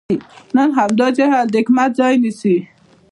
نن همدا جهل د حکمت ځای نیسي.